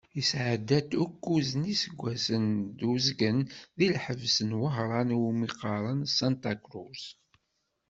Yesɛedda-d ukkuẓ n yiseggasen d uzgen di lḥebs n Wehran i wumi qqaren Sanṭa Cruz.